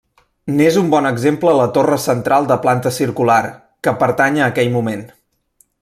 N'és un bon exemple la torre central de planta circular, que pertany a aquell moment.